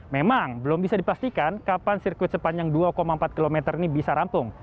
memang belum bisa dipastikan kapan sirkuit sepanjang dua empat km ini bisa rampung